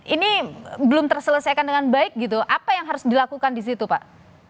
ini belum terselesaikan dengan baik gitu apa yang harus dilakukan di situ pak